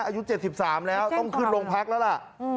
อายุ๗๓แล้วต้องขึ้นโรงพักแล้วล่ะ